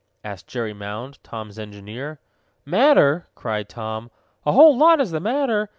asked Jerry Mound, Tom's engineer. "Matter!" cried Tom. "A whole lot is the matter!